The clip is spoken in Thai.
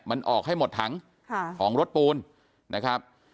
มันออกให้หมดถังของรถปูนนะครับ